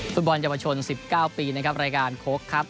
ฟุตบอลเยาวชน๑๙ปีนะครับรายการโค้กครับ